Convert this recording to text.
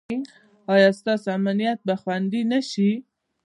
ایا ستاسو امنیت به خوندي نه شي؟